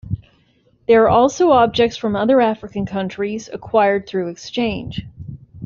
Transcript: There are also objects from other African countries acquired through exchange.